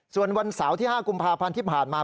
ส่วนวันเสาร์ที่๕กุมภาพันธ์ที่ผ่านมา